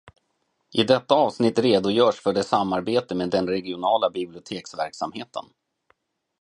I avsnittet redogörs för samarbete med den regionala biblioteksverksamheten.